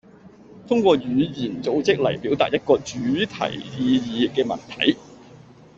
通過語言組織嚟表達一個主題意義嘅文體